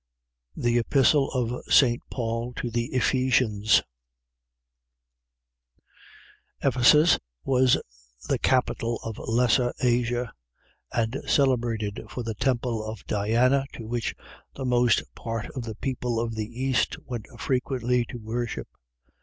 THE EPISTLE OF ST. PAUL TO THE EPHESIANS Ephesus was the capital of Lesser Asia, and celebrated for the temple of Diana, to which the most part of the people of the East went frequently to worship.